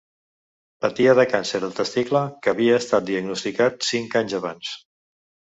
Patia de càncer de testicle, que havia estat diagnosticat cinc anys abans.